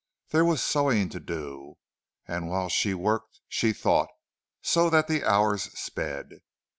There was sewing to do, and while she worked she thought, so that the hours sped.